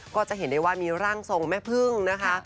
ก็จะเห็นได้ว่ามีร่างทรงแม่พึ่งนะคะ